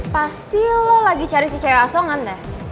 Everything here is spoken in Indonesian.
pasti lo lagi cari si cewek asongan deh